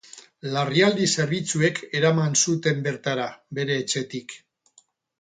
Larrialdi zerbitzuek eraman zuten bertara bere etxetik.